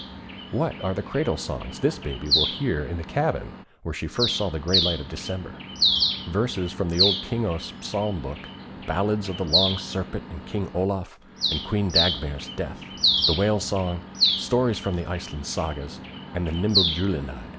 What are the cradle songs this Baby will hear in the cabin where she first saw the gray light of December? Verses from the old Kingos Psalm book, ballads of the Long Serpent and King Olaf, of Queen Dagmar's death, the Whale Song, stories from the Iceland Sagas and the Nibelungenlied.